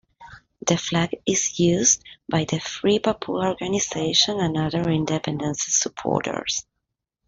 The flag is used by the Free Papua Organization and other independence supporters.